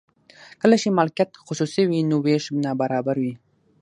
کله چې مالکیت خصوصي وي نو ویش نابرابر وي.